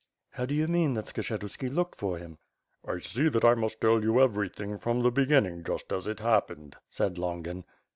"How do you mean that Skshetuski looked for him?" "I see that I must tell you everything from the beginning, just as it happened," said Longin.